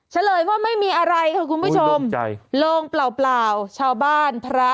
ชัยเลยว่าไม่มีอะไรคุณผู้ชมโล่งเปล่าของชาวบ้านพระ